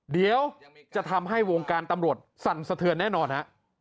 เดี๋ยวจะทำให้วงการตำรวจสั่นสะเทือนแน่นอนฮะ